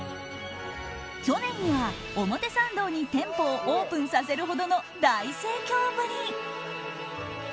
去年には表参道に店舗をオープンさせるほどの大盛況ぶり。